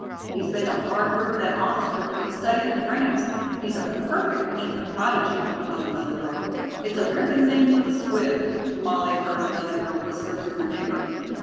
"He's been to Harvard and Oxford, and studied in France. He's a perfect infant prodigy," went on another girl. "It's a ripping thing for the 'Squib,'" Molly heard another girl whisper to her neighbor.